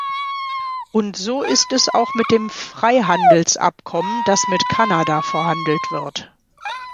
Und so ist es auch mit dem Freihandelsabkommen, das mit Kanada verhandelt wird.